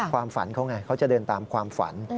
ความฝันเขาไงเขาจะเดินตามความฝัน